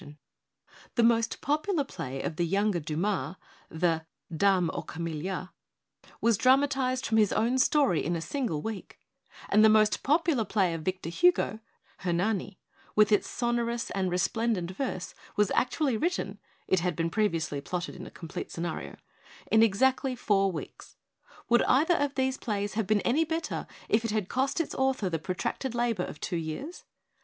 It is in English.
210 ON WORKING TOO MUCH AND WORKING TOO FAST The most popular play of the younger Dumas, the 'Dame aux Camelias,' was dramatised from his own story, in a single week; and the most popular play of Victor Hugo, 'Hernani/ with its sonorous and resplendent verse, was actually written it had previously been plotted in a complete scenario in exactly four weeks. Would either of these plays have been any bet ter if it had cost its author the protracted labor of two years